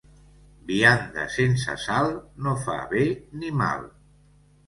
Vianda sense sal no fa bé ni mal.